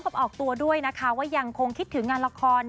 ออกตัวด้วยนะคะว่ายังคงคิดถึงงานละคร